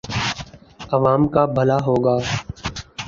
عوام کا بھلا ہو گا۔